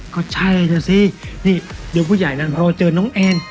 ก็ใช่นะสินี่ดูผู้ใหญ่นั้นรอเจอน้องแอน